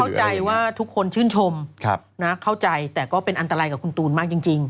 เข้าใจว่าทุกคนชื่นชมเข้าใจแต่ก็เป็นอันตรายกับคุณตูนมากจริง